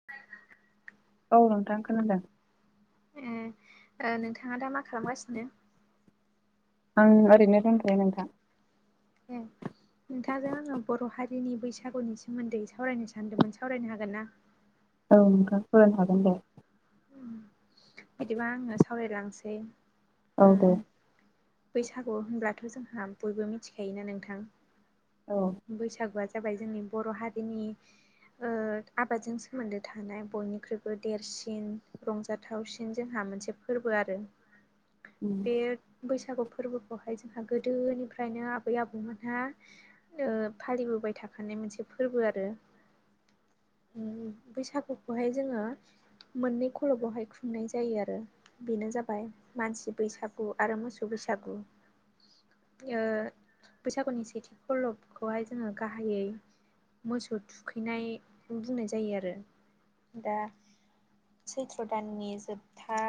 [unintelligible] औव नोंथां खोनादों। उम ओ नोंथांङा दा मा खालामगासिनो। आं ओरैनो दंथयो नोंथां। उम नोंथांजों आङो बर' हारिनि बैसागुनि सोमोन्दै सावरायनो सानदोंमोन सावरायनो हागोन ना। औव नोंथां फोरमायनो हागोन दे। बिदिबा आंङो सावरायलांसै। औव दे। उम बैसागु होनब्लाथ' जोंहा बयबो मिथिखायोना नोंथां। औव बैसागुआ जाबाय जोंनि बर' हारिनि ओ आबादजों सोमोन्दो थानाय बयनिख्रुइबो देरसिन रंजाथावसिन जोंहा मोनसे फोरबो आरो उम बे बैसागु फोरबोखौहाय जोंहा गोदोनिफ्रायनो आबै आबौमोनहा ओ फालिबोबाय थाखानाय मोनसे फोरबो आरो। बैसागुखौहाय जोङो मोननै खलबावहाय ख खुंनाय जायो आरो बेनो जाबाय मानसि बैसागु आरो मोसौ बैसागु। ओ बैसागुनि सेथि खलबखौहाय जोङो गाहायै मोसौ थुखैनाय बुंनाय जायो आरो दा सैत्र दाननि जोबथा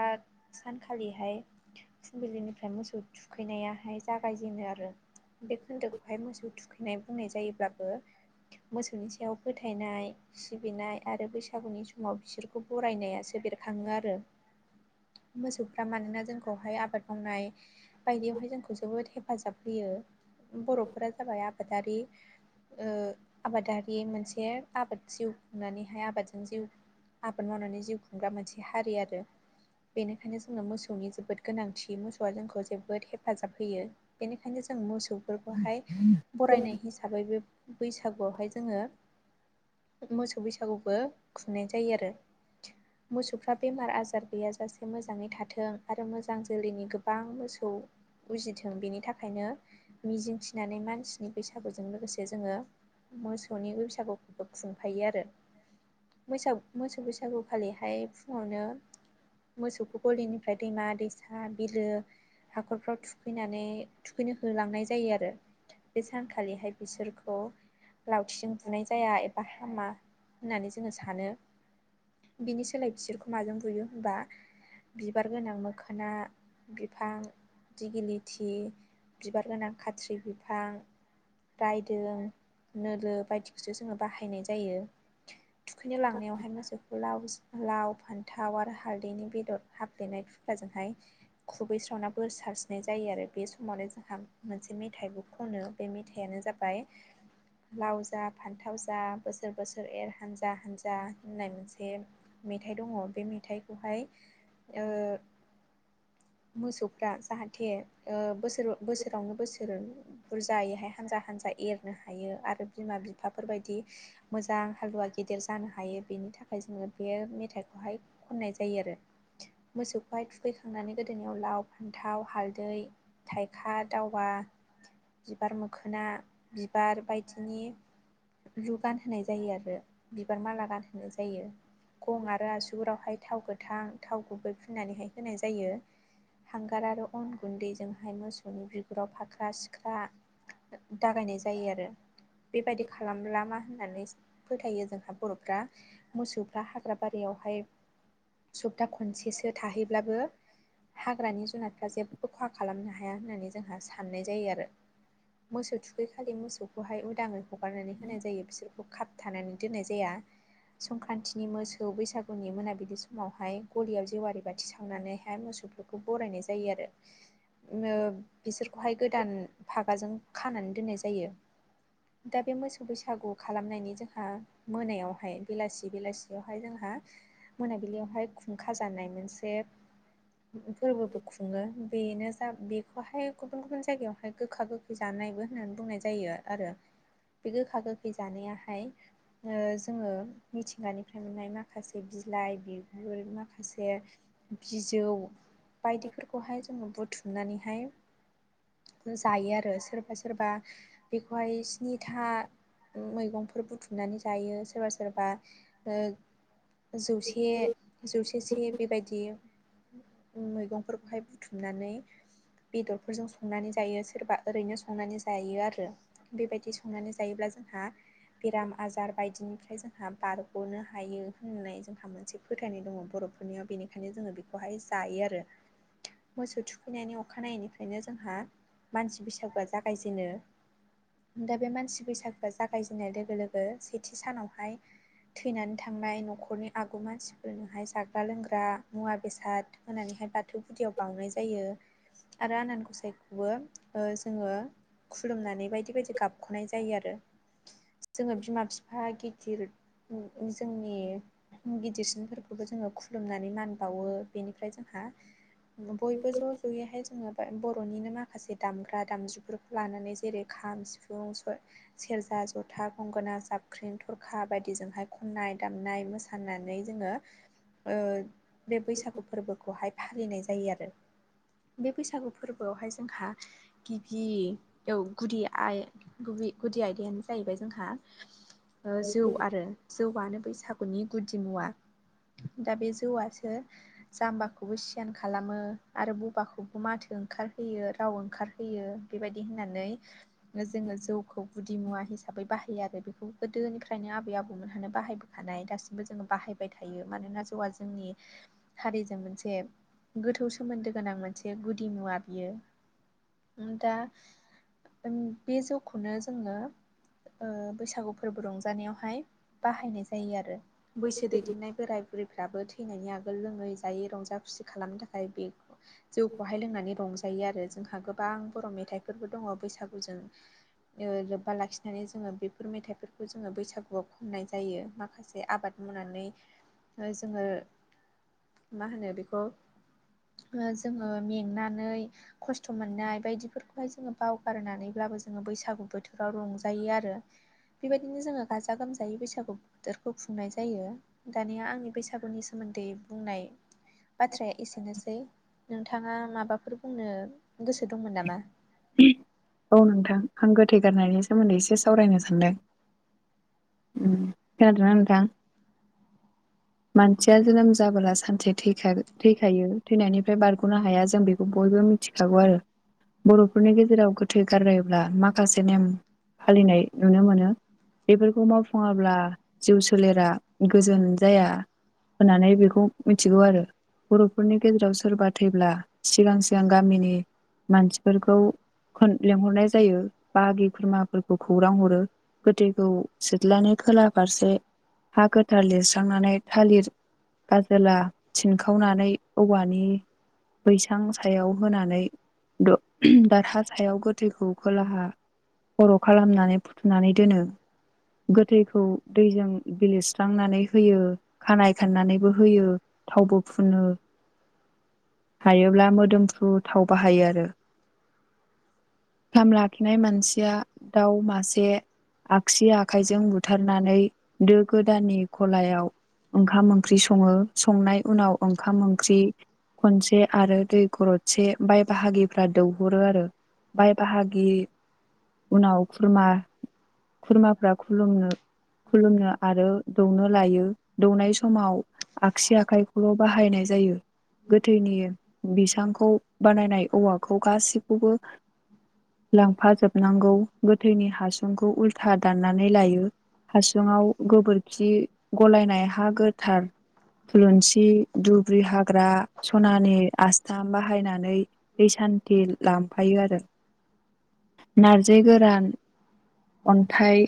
सानखालिहाय फुंबिलिनिफ्राय मोसौ थुखैनायाहाय जागायजेनो आरो बे खोन्दोखौहाय मोसौ थुखै नाय बुंनाय जायोब्लाबो मोसौनि सायाव फोथायनाय सिबिनाय आरो बैसागुनि समाव बिसोरखौ बरायनायासो बेरखाङो आरो। मोसौफ्रा मानोना जोंखौहाय आबाद मावनाय बायदियावहाय जोंखौ जोबोद हेफाब हेफाजाब होयो बर'फोरा जाबाय आबादारि ओ आबादारि मोनसे आबाद जिउ खुंनानैहाय आबादजों जिउ आबाद मावनानै जिउ खुंग्रा मोनसे हारि आरो। बेनिखायनो जोंनो मोसौनि जोबोद गोनांथि मोसौआ जोंखौ जोबोद हेफाजाब होयो। बेनिखायनो जों मोसौफोरखौहाय बरायनाय हिसाबै बे बैसागुआवहाय जोंङो मोसौ बैसागुबो खुंनाय जायो आरो मोसौफ्रा बेमार आजार गैयाजासे मोजाङै थाथों आरो मोजां जोलैनि गोबां मोसौ उजिथों बेनि थाखायनो मिजिं थिनानै मानसिनि बैसागुजों लोगोसे जोङो मोसौनि बैसागुखौबो खुंफायो आरो। बैसागु मोसौ बैसागु फालिहाय फुंङावनो मोसौखौ गलिनिफ्राय दैमा दैसा बिलो हाखरफ्राव थुखैनानै थुखैनो होलांनाय जायो आरो बे सानखालिहाय बिसोरखौ लावथिजों बुनाय जाया एबा हामा होननानै जोंङो सानो बिनि सोलाय बिसोरखौ माजों बुयो होमबा बिबार गोनां मोखोना बिफां दिगिलिथि बिबार गोनां खाथ्रि बिफां रायदों नोलो बायदिखौसो जोङो बाहायनाय जायो थुखैनो लांनायावहाय मानसिखौ लाव लाव फान्थाव आरो हारदैनि बेदर हाबफ्लेनाय थुख्राजोंहाय खुबैस्रावना बोर सारस्रिनाय जायो आरो बे समावनोाय जोंहा मोनसे मेथाइबो खनो बे मेथाइयानो जाबाय लाव जा फान्थाव जा बोसोर बोसोर एर हानजा हानजा होननाय मोनसे मेथाइ दङ बे मेथाइखौहाय ओ मोसौफ्रा जाहाथे ओ बोसोर बोसोरावनो बोसोर बुरजायैहाय हानजा हानजा एरनो हायो आरो बिमा बिफाफोर बायदि मोजां हालुवा गेदेर जानो हायो बेनि थाखाय जोंङो बे मेथाइखौहाय खननाय जायो आरो मोसौखौहाय थुखैखांनानै गोदोनियाव लाव फान्थाव हालदै थाइखा दावा बिबार मोखोना बिबार बायदिनि लु गानहोनाय जायो आरो बिबार माला गानहोनाय जायो। गं आरो आसुगुरावहाय थाव गोथां थाव गुबै फुननानैहाय होनाय जायो। हांगार आरो अन गुन्दैजोंहाय मोसौनि बिगुराव फाख्रा सि रा दागायनाय जायो आरो बेबायदि खालामब्ला मा होननानै फोथायो जोंहा बर'फ्रा मोसौफ्रा हाग्रा बारियावहाय सप्ता खनसेसो थाहैब्लाबो हाग्रानि जुनारफ्रा जेबो खहा खालामनो हाया होननानै जोंहा साननाय जायो आरो मोसौ थुखैखालि मोसौखौहाय उदाङै हगारनानै होनाय जायो बिसोरखौ। बेखौ खाबथानानै दोननाय जाया। संक्रान्तिनि मोसौ बैसागुनि मोनाबिलि समावहाय गलियाव जेवारि बाथि सावनानैहाय मोसौ खौ बरायनाय जायो आरो बिसोरखौहाय गोदान फागाजों खानानै दोननाय जायो। दा बे मोसौ बैसागु खालामनायनि जोंहा मोनायावहाय बेलासि बेलासि बेयावहाय जोंहा मोनाबिलियावहाय खुंखा जानायानाय मोनसे फोरबोबो खुङो बेनो जा बेखौहाय गुबुन गुबुन जायगायावहाय गोखा गोखै जानायबो होननानै बुंनाय जायो आरो बे गोखा गोखै जानायावहाय ओ जोंङो मिथिंगानिफ्राय मोननाय माखासे बिलाइ बिगुर माखासे बिजौ बायदिफोरखौहाय जोंङो बुथुमनानैहाय जायो आरो सोरबा सोरबा बेखौहाय स्निथा मैगंफोर बुथुमनानै जायो सोरबा सोरबा ओ जौसे जौसे से बेबायदि मैगंफोरखौहाय बुथुमनानै बेदरजों संनानै जायो सोरबा ओरैनो संनानै जायो आरो बेबायदि संनानै जायोब्ला जोंहा बेराम आजार बायदिनिफ्राय जोंहा बारग'नो हायो होननानै जोंहा मोनसे फोथायनाय दङ बर'फोरनियाव बेनिखायनो जोंङो बेखौहाय जायो आरो। मोसौ थुखैनायनि अखानायैनिफ्रायनो जोंहा मानसि बैसागुआ जागायजेनो दा बे मानसि बैसागुआ जागायजेननाय लोगो लोगो सेथि सानावहाय थैनानै थांनाय न'खरनि आगु मानसिफोरनोहाय जाग्रा लोंग्रा मुवा बेसाद होननानैहाय बाथौ गुदियाव बाउनाय जायो आरो आनान गसाइ खौबो ओ जोङो खुलुमनानै बायदि बायदि गाबख'नाय जायो आरो। जोङो बिमा बिफा गिदिर उम उम जोंनि गिदिरसिनफोरखौबो जोङो खुलुमनानै मान बावो बेनिफ्राय जोंहा बयबो ज' ज'यैहाय बो जोङो बर'निनो मा माखासे दामग्रा दामजुफोरखौ लानानै जेरै खाम सिफुं स सेरजा जथा गंगोना जाबख्रिन थरखा बायदिजोंहाय खननाय दामनाय मोसानाय फाननानै जोंङो ओ बे बैसागु फोरबोखौहाय फालिनाय जायो आरो बे बैसागु फोरबोआवहाय जोंहा गिबि ओ गुदि आइ गुब गुदि आयदायानो जाहैबाय जोंहा जौ आरो जौआनो बैसागुनि गुदि मुवा दा बे जौआसो जाम्बाखौबो सियान खालामो आरो बबाखौबो माथो ओंखार होयो राव ओंखारहोयो बेबायदि होननानै जोङो जौखौ गुदि मुवा हिसाबै बाहायो आरो बेखौ गोदोनिफ्रायनो आबै आबौमोनहानो बाहायबोखानाय दासिमबो जोङो बाहाय [unintelligible] थायो मानोना जौआ जोंनि हारिजों मोनसे गोथौ सोमोन्दो गोनां मोनसे गुदि मुवा। बियो उम दा बे जौखौनो जोङो ओ बैसागु फोरबो रंजानायावहाय बाहायनाय जायो आरो बैसो दैदेननाय बोराय बुरैफ्राबो थैनायनि आगोल लोङै जायै रंजा खुसि खालामनो थाखाय बे जौखौहाय लोंनानै रंजायो आरो जोंहा गोबां बर' मेथाइफोरबो दङ बैसागुजों ओ लोब्बा लाखिनानै जोङो बेफोर मेथाइफोरखौ जोङो बैसागुआव खननाय जायो माखासे आबाद मावनानै ओ जोङो मा होनो बेखौ ओ जोङो मेंनानै खस्थ' मोननाय बायदिफोरखौहाय जोङो बावगारनानैब्लाबो जोङो बैसागु बोथोराव रंजायो आरो। बेबायदिनो जोङो गाजा गोमजायै बैसागु बोथोरखौ खुंनाय जायो। दानिया आंनि बैसागुनि सोमोन्दै बुंनाय बाथ्राया एसेनोसै। नोंथाङा माबाफोर बुंनो गोसो दंमोन नामा? औ नोंथां आं गोथै गारनायनि सोमोन्दै एसे सावरायनो सानदों। उम खोनादों ना नोंथां? मानसिया जोनोम जाबोला सानसे थैखागो थैखायो थैनायनिफ्राय बारग'नो हाया जों बेखौ बयबो मिथिखागौ आरो बर' फोरफोरनि गेजेराव गोथै गारायोब्ला माखासे नेम फालिनाय नुनो मोनो। बेफोरखौ मावफुङाब्ला जिउ सोलेरा गोजोन जाया होननानै बेखौ मिथिगौ आरो। बर'फोरनि गेजेराव सोरबा थैब्ला सिगां सिगां गामिनि मानसिफोरखौ [unintelligible] लेंहरनाय जायो बागि खुरमाफोरखौ खौरां हरो। गोथैखौ सिथ्लानि खोला फारसे हा गोथार लिरस्रांनानै थालिर गाजोला सिनखावनानै औवानि बैसां सायाव होनानै द हायाव गोथैखौ खोलाहा खर' खालामनानै फु थुनानै दोनो गोथैखौ दैजों बिलिरस्रांनानै होयो खानाय खाननानैबो होयो थावबो फुनो हायोब्ला मोदोमफ्रु थाव बाहायो आरो। [unintelligible] लाखिनाय मानसिया दाउ मासे आगसि आखाइजों बुथारनानै दो गोदाननि खलायाव ओंखाम ओंख्रि सङो। संनाय उनाव ओंखाम ओंख्रि खनसे आरो दै गरदसे बाय बाहागिफ्रा दौ हरो आरो बाय बाहागि उनाव खुरमा खुरमाफ्रा खुलुमनो खुलुमनो आरो दौनो लायो दौनाय समाव आगसि आखाइखौल' बाहायनाय जायो। गोथैनि बिसांखौ बानायनाय औवाखौ गासैखौबो लांफाजोबनांगौ गोथैनि हासुंखौ उल्था दाननानै लायो। हासुङाव गोबोरखि गलायनाय हा गोथार थुलुंसि दुब्रि हाग्रा सनानि आसथाम बाहायनानै दै सान्थि लांफायो आरो। नारजि गोरान अन्थाइ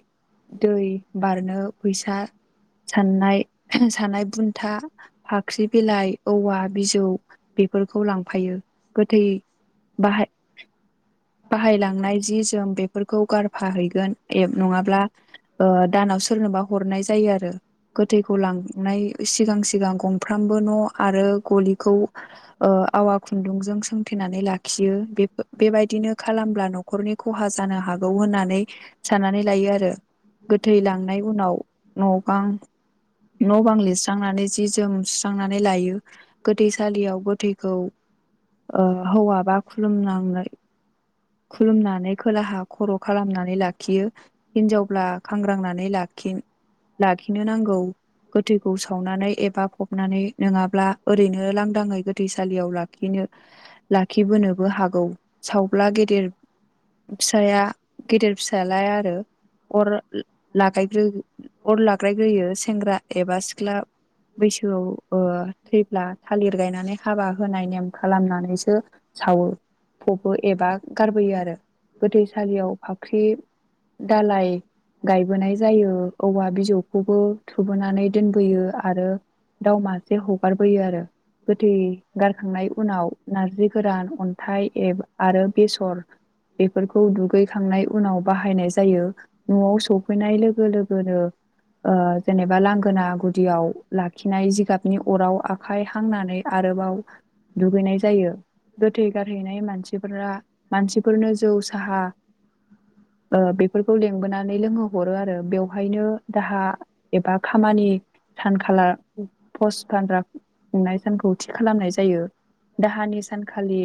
दै बारनो फैसा साननाय सानाय बुन्था फाख्रि बिलाइ औवा बिजौ बेफोरखौ लांफायो गोथै बाहाय बाहायलांनाय जि जोम बेफोरखौ गारफाहैगोन एप नङाब्ला ओ दानाव सोरनोबा हरनाय जायो आरो गोथैखौ लांनाय सिगां सिगां गंफ्रामबो न' आरो गलिखौ ओ आवा खुन्दुंजों सोंथेनानै लाखियो बे बेबायदिनो खालामब्ला नर नखरनि खहा जानो हागौ होननानै साननानै लायो आरो गोथै लांनाय उनाव न' गां न' बां लिरस्रांनानै जि जोम सुस्रांनानै लायो। गोथैसालियाव गोथैखौ ओ हौवा बा खलुम खुलुमनानै खोलाहा खर' खालामनानै लाखियो। हिनजावब्ला खांग्रांनानै लाखि लाखिनो नांगौ। गोथैखौ सावनानै एबा फबनानै नङाब्ला ओरैनो लांदाङै गोथैसालियाव ला बिदिनो‌ लाखिबोनोबो हागौ सावब्ला गेदेर फिसाया गेदेर फिसायालाय आरो अर लागाय्र अर लाग्रायग्रोयो सेंग्रा एबा सिख्ला बैसोआव ओ थैब्ला थालिर गायनानै हाबा होनाय नेम खालामनानैसो सावो फबो एबा गारबोयो आरो गोदैसालियाव फाख्रि दालाय गायबोनाय जायो औवा बिजौखौबो थोबोनानै दोनबोयो आरो दाउ मासे हगारबोयो आरो गोथै गारखांनाय उनाव नारजि गोरान अन्थाइ एब आरो बेसर बेफोरखौ दुगैखांनाय उनाव बाहायनाय जायो न'आव सफैनाय लोगो लोगोनो ओ जेनेबा लांगोना गुदियाव लाखिनाय जिगाबनि अराव आखाय आखाय हांनानै आरोबाव दुगैनाय जायो। गोथै गारहैनाय मानसिफोरा मानसिफोरनो जौ साहा ओ बेफोरखौ लेंबोनानै लोंहोहरो आरो बेवहायनो दाहा एबा खामानि सानखाला पस्ट फानद्रा खुंनाय सानखौ थि खालामनाय जायो। दाहानि सानखालि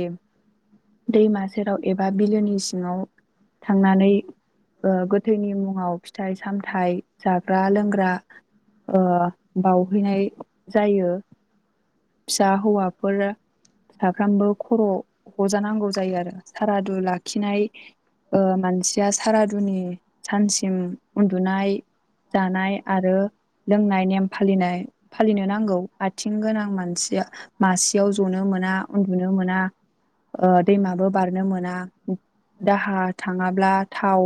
दैमा सेराव एबा बिलोनि सिङाव थांनानै ओ गोथैनि मुङाव -फिथाइ सामथायाइ जाग्रा -लोंग्रा ओ बावउहैनाय जायो फिसा हौवाफोर साफ्रामबो खर' हजानांगौ जायो आरो सारादु लाखिनाय ओ मानसिया सारादुनि सानसिम उन्दुनाय जानाय आरो लोंनाय नेम फालिनाय फालिनो नांगौ आथिं गोनां मानसिया मासियाव जनो मोना उन्दुनो मोना ओ दैमाबो बारनो मोना दाहा थाङाब्ला थाव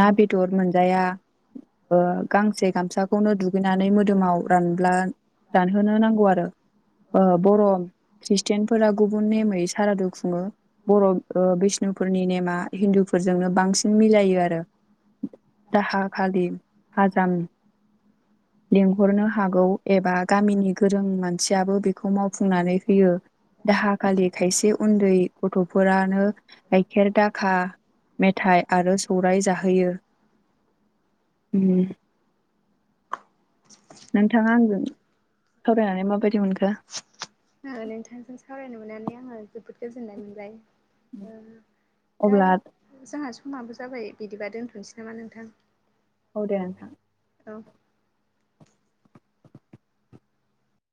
ना बेदर मोनजाया। गांसे गामसाखौनो दुगैनानै मोदोमाव रानब्ला रानहोनो नांगौ आरो बर' ख्रिस्टियानफोरा गुबुन नेमै सारादु खुङो बर' मुस्लिमफोरनि नेमा हिन्दुफोरजोंनो बांसिन मिलायो आरो। दाहा खालि हाजाम [inaudible] लेंंहरनो हागौ एबा गामिनि गोरों मानसियाबो बेखौ मावफुंनानै होयो। दाहाखालि खायसे उन्दै गथ'फोरानो गायखेर दाखा मेथाइ आरो सौराय जाहोयो। ओम नोंथाङा आंजों सावरायनानै माबायदि मोनखो? नोंथांजों सावरायनो मोननानै आङो जोबोद गोजोननाय मोनबाय। दा अब्ला जोंहा समाबो जाबाय बिदिबा दोनथ'नोसै नामा नोंथां। औ दे नोंथां। औ